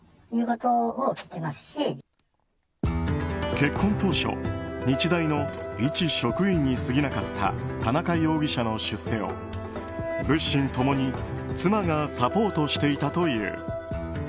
結婚当初日大の一職員に過ぎなかった田中容疑者の出世を、物心共に妻がサポートしていたという。